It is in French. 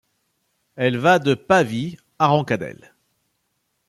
Elle va de Pavie à Roncadelle.